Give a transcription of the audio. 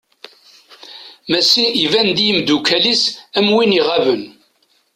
Massi iban-d i umddakel-is am win iɣaben.